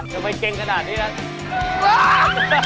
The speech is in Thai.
ทำไมเก่งขนาดนี้แล้ว